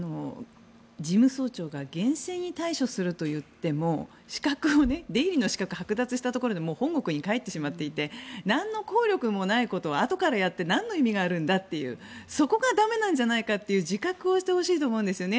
事務総長が厳正に対処すると言っても出入りの資格をはく奪したところでもう本国に帰ってしまっていてなんの効力もないことをあとからやってなんの意味があるんだというそこが駄目なんじゃないかという自覚をしてほしいと思うんですね。